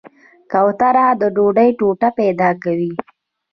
کوتره د ډوډۍ ټوټه پیدا کوي.